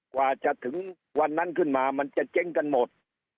กว่าจะถึงวันนั้นขึ้นมามันจะเจ๊งกันหมด